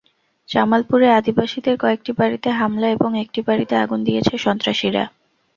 জামালপুরে আদিবাসীদের কয়েকটি বাড়িতে হামলা এবং একটি বাড়িতে আগুন দিয়েছে সন্ত্রাসীরা।